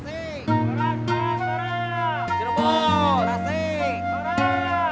cirebon parah parah para